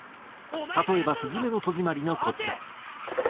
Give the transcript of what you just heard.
例えば『すずめの戸締まり』のこちら。